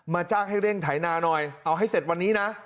จ้างให้เร่งไถนาหน่อยเอาให้เสร็จวันนี้นะ